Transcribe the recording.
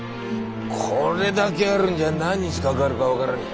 これだけあるんじゃ何日かかるか分からねえ。